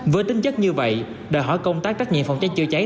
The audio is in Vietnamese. với tính chất như vậy đòi hỏi công tác trách nhiệm phòng cháy chữa cháy